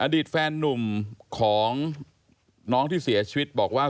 อดีตแฟนนุ่มของน้องที่เสียชีวิตบอกว่า